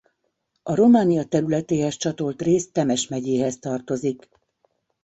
A Románia területéhez csatolt rész Temes megyéhez tartozik.